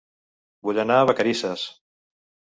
Vull anar a Vacarisses